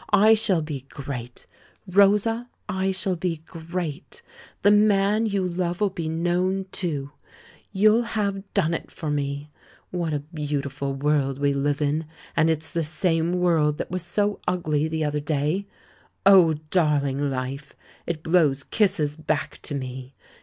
I shall be great; Rosa, I shall be great. The man you love'll be known, too — you'll have 126 THE MAN WHO UNDERSTOOD WOMEN done it for me. What a beautiful world we live in; and it's the same world that was so ugly the other day! O darling Life, it blows kisses back to me